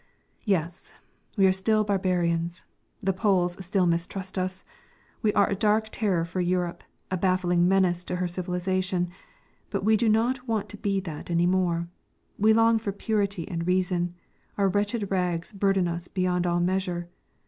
Yes, we are still barbarians, the Poles still mistrust us, we are a dark terror for Europe, a baffling menace to her civilisation, but we do not want to be that any more, we long for purity and reason, our wretched rags burden us beyond all measure.